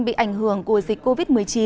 bị ảnh hưởng của dịch covid một mươi chín